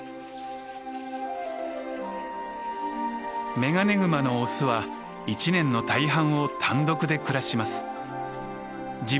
メガネグマのオスは一年の大半を単独で暮らします。